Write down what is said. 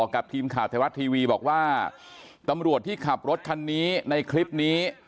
กับทีมข่าวไทยรัฐทีวีบอกว่าตำรวจที่ขับรถคันนี้ในคลิปนี้